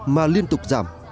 mà liên tục giảm